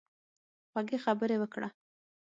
خوږې خبرې وکړه.